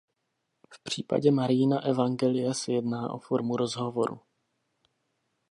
V případě Mariina evangelia se jedná o formu rozhovoru.